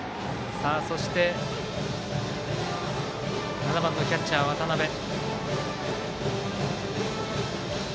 そして、７番キャッチャー渡辺。